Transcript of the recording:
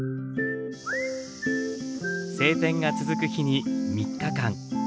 晴天が続く日に３日間。